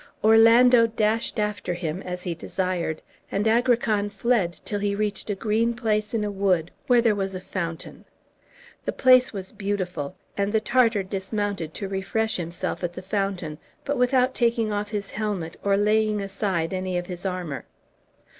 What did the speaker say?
Orlando dashed after him as he desired, and Agrican fled till he reached a green place in a wood, where there was a fountain. The place was beautiful, and the Tartar dismounted to refresh himself at the fountain, but without taking off his helmet, or laying aside any of his armor.